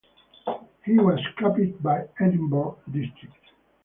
He was capped by Edinburgh District.